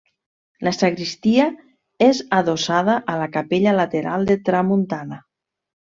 La sagristia és adossada a la capella lateral de tramuntana.